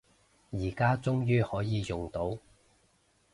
而家終於可以用到